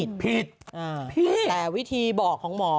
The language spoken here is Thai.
ผิดแต่วิธีบอกของหมอ